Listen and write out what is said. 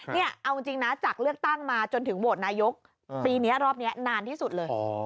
นี่เอาจริงนะจากเลือกตั้งมาจนถึงโหวตนายกปีนี้รอบนี้นานที่สุดเลย